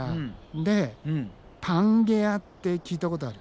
でパンゲアって聞いたことある？